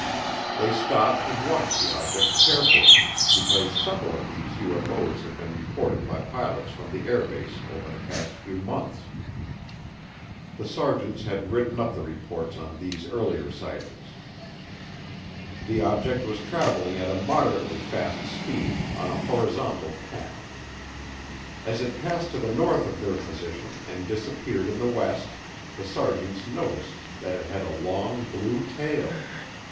They stopped and watched the object carefully, because several of these UFO's had been reported by pilots from the air base over the past few months. The sergeants had written up the reports on these earlier sightings. The object was traveling at a moderately fast speed on a horizontal path. As it passed to the north of their position and disappeared in the west, the sergeants noted that it had a long blue tail.